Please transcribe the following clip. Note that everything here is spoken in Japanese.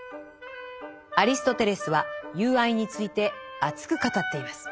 アリストテレスは「友愛」について熱く語っています。